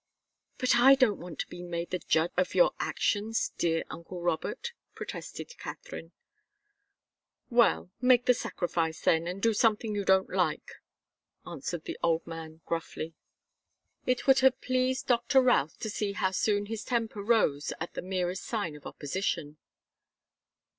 "But I don't want to be made the judge of your actions, dear uncle Robert!" protested Katharine. "Well make a sacrifice, then, and do something you don't like," answered the old man, gruffly. It would have pleased Doctor Routh to see how soon his temper rose at the merest sign of opposition.